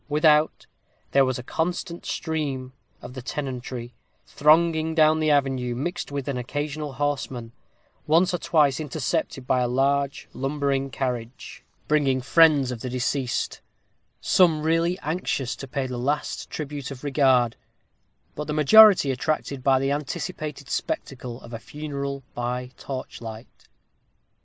Without, there was a constant stream of the tenantry, thronging down the avenue, mixed with an occasional horseman, once or twice intercepted by a large lumbering carriage, bringing friends of the deceased, some really anxious to pay the last tribute of regard, but the majority attracted by the anticipated spectacle of a funeral by torchlight.